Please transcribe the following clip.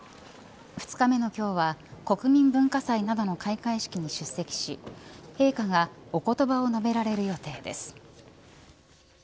２日目の今日は国民文化祭などの開会式に出席し陛下がお言葉を述べられ予定です。